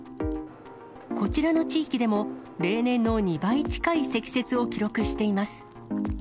こちらの地域でも、例年の２倍近い積雪を記録しています。